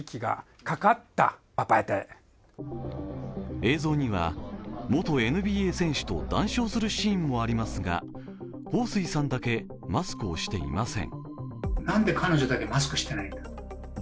映像には本ＮＢＡ選手と談笑するシーンもありますが、彭帥さんだけマスクをしていません。